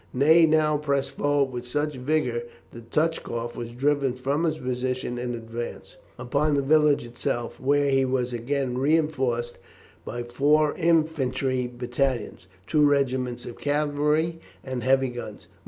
Ney now pressed forward with such vigour that Touchkoff was driven from his position in advance, upon the village itself, where he was again reinforced by four infantry battalions, two regiments of cavalry, and heavy guns.